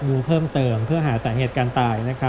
ดูเพิ่มเติมเพื่อหาสาเหตุการณ์ตาย